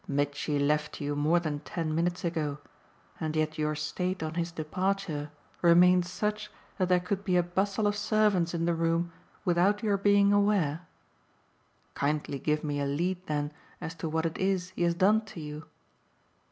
"Mitchy left you more than ten minutes ago, and yet your state on his departure remains such that there could be a bustle of servants in the room without your being aware? Kindly give me a lead then as to what it is he has done to you."